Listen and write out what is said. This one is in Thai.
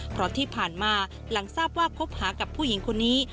เพราะที่ผ่านมาหลังทราบว่าคบหากับผู้หญิงคนนี้